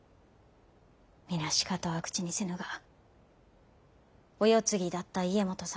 皆しかとは口にせぬがお世継ぎであった家基様